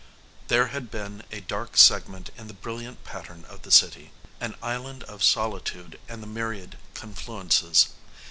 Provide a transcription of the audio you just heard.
There had been a dark segment in the brilliant pattern of the city. An island of solitude amid the myriad confluences.